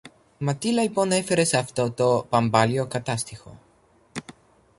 Μα τι λοιπόν έφερες αυτό το παμπάλαιο Κατάστιχο